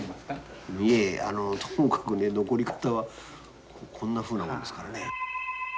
いえともかくね残り方はこんなふうなもんですからね。